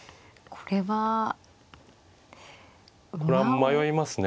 これは迷いますね。